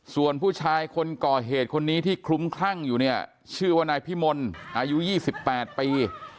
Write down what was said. ส่วนผู้ชายคนก่อเหตุคนนี้ที่คลุ้มคลั่งอยู่เนี่ยชื่อว่านายพิมลอายุ๒๘ปี